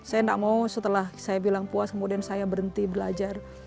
saya tidak mau setelah saya bilang puas kemudian saya berhenti belajar